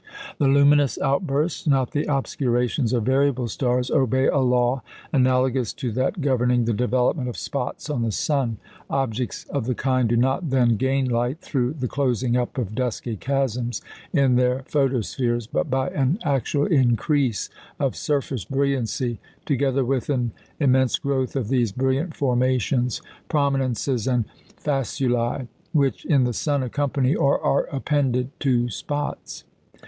The luminous outbursts, not the obscurations of variable stars, obey a law analogous to that governing the development of spots on the sun. Objects of the kind do not, then, gain light through the closing up of dusky chasms in their photospheres, but by an actual increase of surface brilliancy, together with an immense growth of these brilliant formations prominences and faculæ which, in the sun, accompany, or are appended to spots.